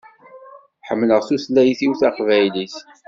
Ḥemmleɣ tutlayt-iw taqbaylit.